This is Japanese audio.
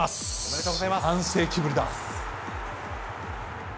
四半世紀ぶりだ。